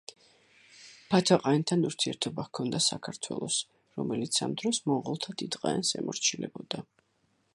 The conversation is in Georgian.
ბათო-ყაენთან ურთიერთობა ჰქონდა საქართველოს, რომელიც ამ დროს მონღოლთა დიდ ყაენს ემორჩილებოდა.